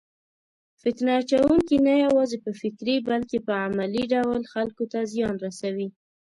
فتنه اچونکي نه یوازې په فکري بلکې په عملي ډول خلکو ته زیان رسوي.